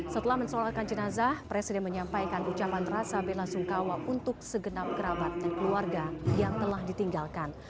setelah mensolatkan jenazah presiden menyampaikan ucapan rasa bela sungkawa untuk segenap kerabat dan keluarga yang telah ditinggalkan